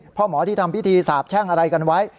พ่อหมอที่ทำพิธีสาบแช่งอะไรกันไว้